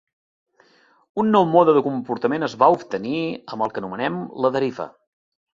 Un nou mode de comportament es va obtenir amb el que anomenem la deriva.